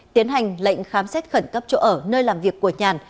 tiến hành lệnh khám xét khẩn cấp chỗ ở nơi làm việc của nhàn